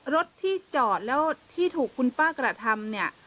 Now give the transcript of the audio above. รถที่จอดแล้วที่ถูกคุณป้ากระทำเนี่ย